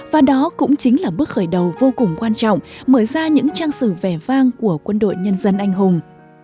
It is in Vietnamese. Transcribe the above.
và đó cũng chính là bước khởi đầu vô cùng quan trọng mở ra những trang sử vẻ vang của quân đội nhân dân anh hùng